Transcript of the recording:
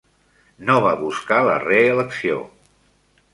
No va buscar la reelecció.